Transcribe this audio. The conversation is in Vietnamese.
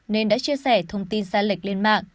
nên đã chia sẻ thông tin sai lệch lên mạng